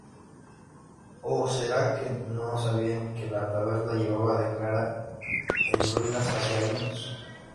¿ó será que no sabían que la taberna llevaba declara en ruinas hacía años?